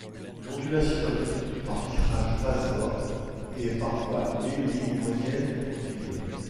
L'ondulation est obtenue par filtrage passe-bas et est parfois appelée ligne moyenne du profil.